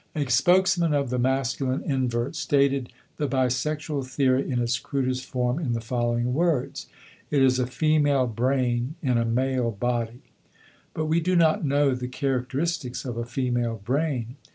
A spokesman of the masculine inverts stated the bisexual theory in its crudest form in the following words: "It is a female brain in a male body." But we do not know the characteristics of a "female brain."